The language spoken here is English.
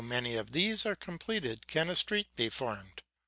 many of these are completed can a street be formed.